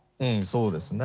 そうですね。